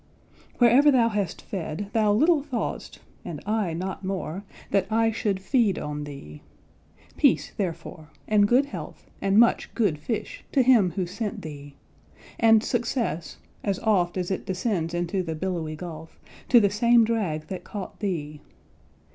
Wherever thou hast fed, thou little thought'st, And I not more, that I should feed on thee. Peace, therefore, and good health, and much good fish, To him who sent thee! and success, as oft As it descends into the billowy gulf, To the same drag that caught thee!